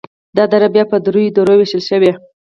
دا دره بیا په دریو درو ویشل شوي: